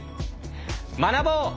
学ぼう！